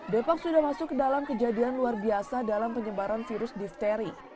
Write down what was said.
depak sudah masuk ke dalam kejadian luar biasa dalam penyebaran virus difteri